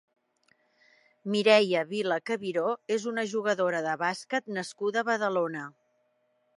Mireia Vila Cabiró és una jugadora de bàsquet nascuda a Badalona.